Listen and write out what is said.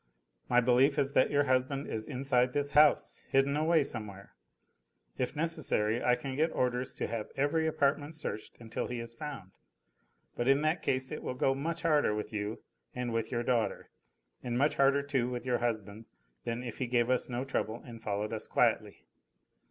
"My belief is that your husband is inside this house, hidden away somewhere. If necessary I can get orders to have every apartment searched until he is found: but in that case it will go much harder with you and with your daughter, and much harder too with your husband than if he gave us no trouble and followed us quietly."